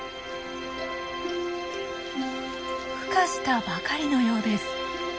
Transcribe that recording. ふ化したばかりのようです。